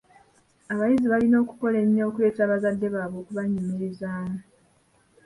Abayizi balina okukola ennyo okuleetera bazadde baabwe okubeenyumirizaamu.